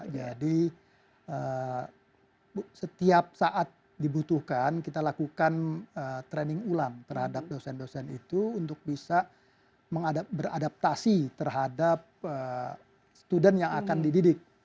jadi setiap saat dibutuhkan kita lakukan training ulang terhadap dosen dosen itu untuk bisa beradaptasi terhadap student yang akan dididik